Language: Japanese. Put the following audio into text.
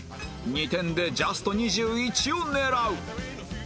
２点でジャスト２１を狙う